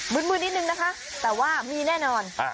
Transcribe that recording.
ืนนิดนึงนะคะแต่ว่ามีแน่นอน